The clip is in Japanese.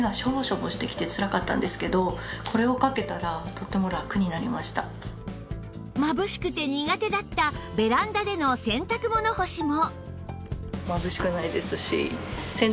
すっかり気に入ったまぶしくて苦手だったベランダでの洗濯物干しも